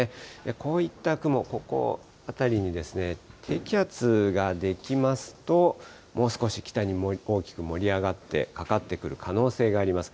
こういった雲、ここ辺りに低気圧が出来ますと、もう少し北に大きく盛り上がってかかってくる可能性があります。